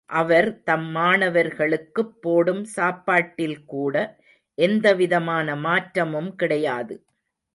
அவர் தம் மாணவர்களுக்குப் போடும் சாப்பாட்டில்கூட எந்தவிதமான மாற்றமும் கிடையாது.